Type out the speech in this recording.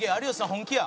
本気や！